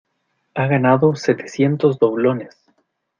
¡ ha ganado setecientos doblones!